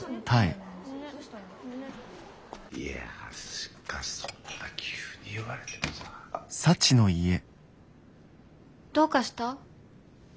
いやしかしそんな急に言われてもさ。どうかした？